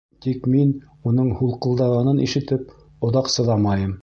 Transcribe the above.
Тик мин, уның һулҡылдағанын ишетеп, оҙаҡ сыҙамайым.